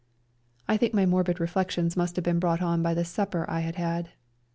I think my morbid reflections must have been brought on by the supper I had had.